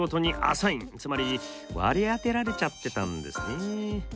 つまり割り当てられちゃってたんですね。